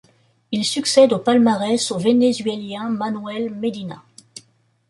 Il succède au palmarès au Vénézuélien Manuel Medina.